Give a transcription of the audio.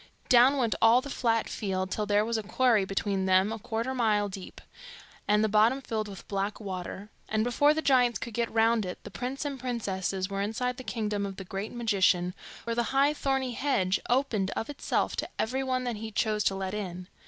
Down went all the flat field, till there was a quarry between them a quarter of a mile deep, and the bottom filled with black water; and before the giants could get round it, the prince and princesses were inside the kingdom of the great magician, where the high thorny hedge opened of itself to everyone that he chose to let in.